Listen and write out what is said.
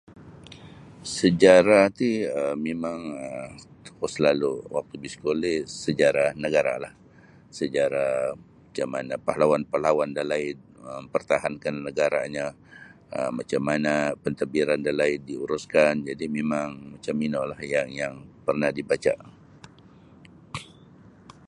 Sejarah ti um mimang um oku salalu' waktu biskul ri sejarah nagara'lah sejarah macam mana pahlawan-pahlawan dalaid mampertahankan nagara'nyo um macam mana pantadbiran dalaid diuruskan jadi' mimang macam inolah yang yang parnah dibaca'.